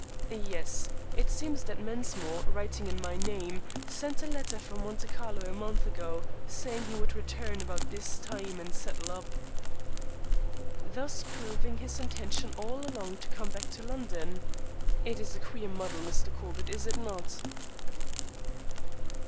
"Yes. It seems that Mensmore, writing in my name, sent a letter from Monte Carlo a month ago, saying he would return about this time and settle up." "Thus proving his intention all along to come back to London. It is a queer muddle, Mr. Corbett, is it not?"